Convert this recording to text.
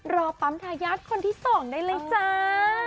รอปั๊มทายาทคนที่๒ได้เลยจ้า